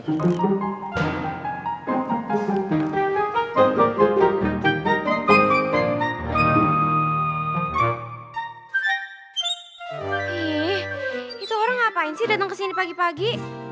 ih itu orang ngapain sih dateng kesini pagi pagi